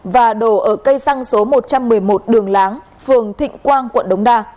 và đổ ở cây xăng số một trăm một mươi một đường láng phường thịnh quang quận đống đa